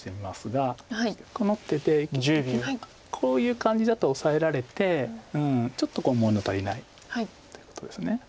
こうなってて結局こういう感じだとオサえられてちょっと物足りないということです。